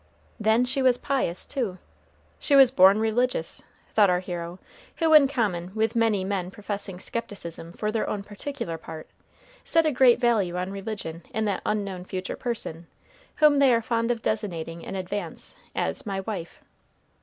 Then she was pious, too. She was born religious, thought our hero, who, in common with many men professing skepticism for their own particular part, set a great value on religion in that unknown future person whom they are fond of designating in advance as "my wife."